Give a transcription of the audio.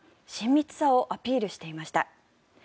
親密さをアピールしていました。